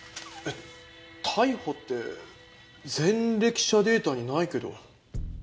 えっ逮捕って前歴者データにないけど？